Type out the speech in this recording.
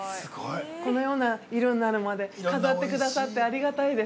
このような色になるまで飾ってくださって、ありがたいです。